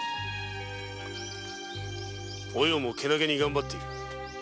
お葉もけなげにがんばっている。